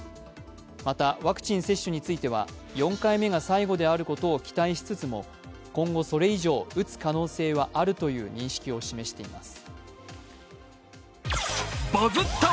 またワクチン接種については、４回目が最後であることを期待しつつも今後それ以上、打つ可能性はあるという認識を示しています。